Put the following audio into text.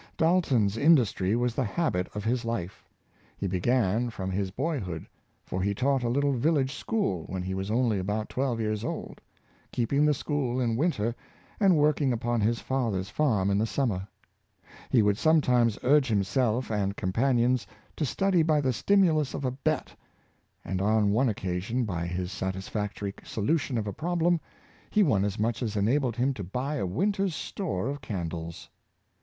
Dalton's industry was the habit of his life. He began from his boyhood, for he taught a little vil lage school when he was only about twelve years old — keeping the school in winter, and working upon his father's farm in summer He would sometimes urge himself and companions to study by the stimulus of a bet, and on one occasion by his satisfactory solution of a problem, he won as much as enabled him to buy a winter's store of candles.